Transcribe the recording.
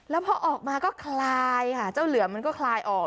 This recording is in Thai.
แล้วพอออกมาก็คลายค่ะเจ้าเหลือมมันก็คลายออก